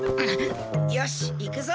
よし行くぞ。